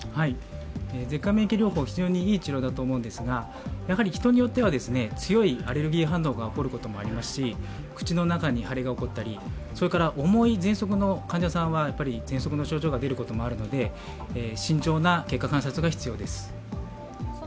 舌下免疫療法、非常にいい治療だと思いますが人によっては強いアレルギー反応が起こることもありますし口の中に腫れが起こったり、重いぜんそくの患者さんはぜんそくの症状が出ることもあるので、慎重な経過観察が必要です。